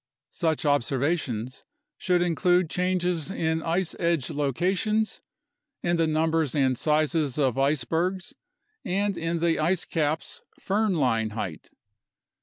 Such observations should include changes in ice edge locations, in the numbers and sizes of ice bergs, and in the ice caps' firnline height.